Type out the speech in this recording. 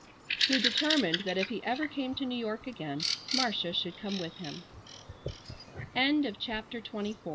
He determined that if he ever came to New York again Marcia should come with him. CHAPTER XXV Marcia hurr